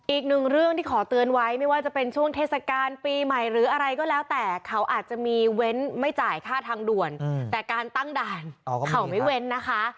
อีกหนึ่งเรื่องที่ขอเตือนไว้ไม่ว่าจะเป็นช่วงเทศกาลปีใหม่หรืออะไรก็แล้วแต่เขาอาจจะมีเว้นไม่จ่ายค่าทางด่วนแต่การตั้งด่านเขาไม่เว้นนะคะ